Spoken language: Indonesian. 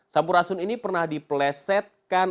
sampurasun ini pernah dipelesetkan